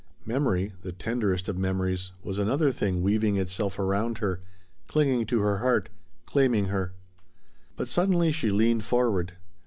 Memory, the tenderest of memories, was another thing weaving itself around her, clinging to her heart, claiming her. But suddenly she leaned forward.